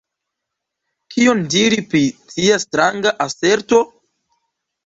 Kion diri pri tia stranga aserto?